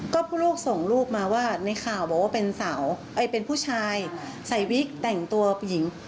ก็ผู้ลูกส่งรูปมาว่าในข่าวบอกว่าเป็นสาวเป็นผู้ชายใส่วิกแต่งตัวผู้หญิง